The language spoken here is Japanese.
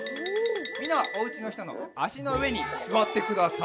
みんなはおうちのひとのあしのうえにすわってください。